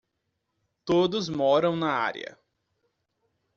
Todos moram na área.